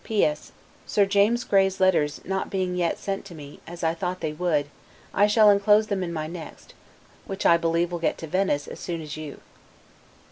P. S. Sir James Grey's letters not being yet sent to me, as I thought they would, I shall inclose them in my next, which I believe will get to Venice as soon as you.